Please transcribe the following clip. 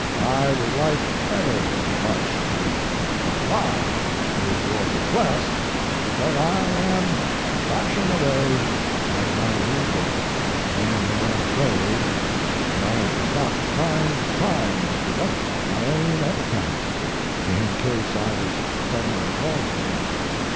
I would like ever so much to comply with your request, but I am thrashing away at my new book, and am afraid that I should not find time to write my own epitaph, in case I was suddenly called for.